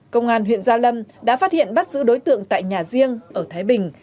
công an huyện gia lâm đã phát hiện bắt giữ đối tượng tại nhà riêng ở thái bình